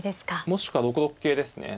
もしくは６六桂ですね。